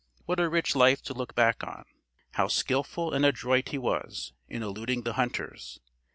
What a rich life to look back on! How skilful and adroit he was, in eluding the hunters!